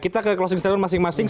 kita ke klasik klasik masing masing